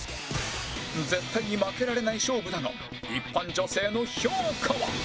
絶対に負けられない勝負だが一般女性の評価は？